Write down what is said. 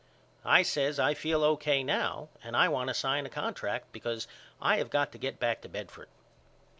I says I feel O.K. now and I want to sign a contract because I have got to get back to Bedford.